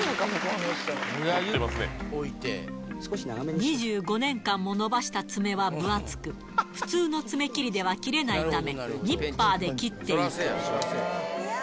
２５年間も伸ばした爪は分厚く、普通の爪切りでは切れないため、ニッパーで切っていく。